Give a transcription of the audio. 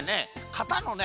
かたのね